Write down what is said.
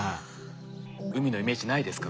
海のイメージないですか？